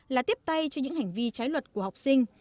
là tiếp tay cho những hành vi trái luật của học sinh